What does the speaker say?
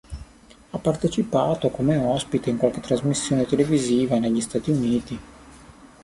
Ha partecipato come ospite in qualche trasmissione televisiva negli Stati uniti.